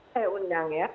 saya undang ya